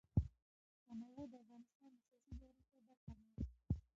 تنوع د افغانستان د سیاسي جغرافیه برخه ده.